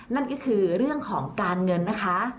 นั่นก็คือเรื่องของการเงินนะคะ